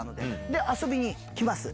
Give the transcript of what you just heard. で、遊びに来ます。